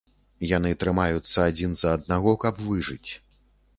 Яны трымаюцца адзін за аднаго, каб выжыць.